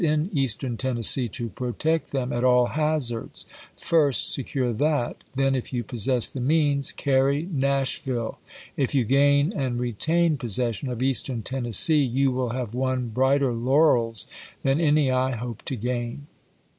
in Eastern Tennessee to protect them at all hazards. ^ Vol vii^' ^i^st secure that ; then, if you possess the means, p *^' carry Nashville." " If you gain and retain pos w^V' voV session of Eastern Tennessee you will have won ^ "ibid..*''^' brighter laurels than any I hope to gain."